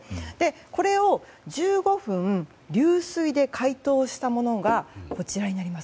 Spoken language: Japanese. これを１５分流水で解凍したものです。